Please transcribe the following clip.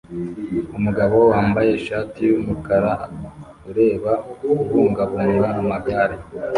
Umugabo wambaye ishati yumukara ureba kubungabunga amagare